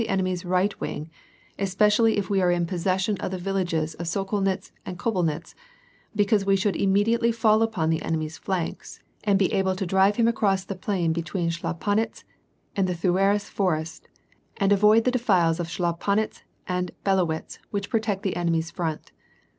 • enemy's right wing, especially if we are in possession of the villages of Sokolnitz and Kobelnitz, because we should immediately fall upon the enemy's flanks, and be able to drive him across the plain between Scbla panitz and the Thuerass forest, and avoid the defiles of Schlapanitx and Bellowitz, which protect the enemy's front.